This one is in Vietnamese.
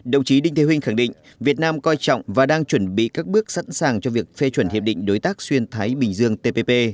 đồng chí đinh thế huynh khẳng định việt nam coi trọng và đang chuẩn bị các bước sẵn sàng cho việc phê chuẩn hiệp định đối tác xuyên thái bình dương tpp